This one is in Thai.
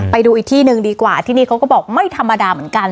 ไปดูอีกที่หนึ่งดีกว่าที่นี่เขาก็บอกไม่ธรรมดาเหมือนกัน